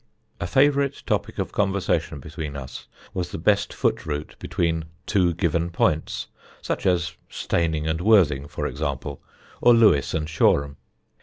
A favourite topic of conversation between us was the best foot route between two given points such as Steyning and Worthing, for example, or Lewes and Shoreham.